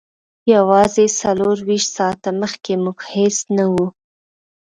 یوازې څلور ویشت ساعته مخکې موږ هیڅ نه وو